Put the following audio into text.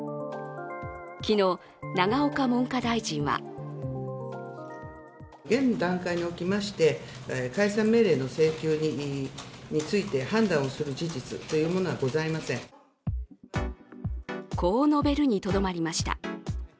昨日、永岡文科大臣はこう述べるにとどまりました。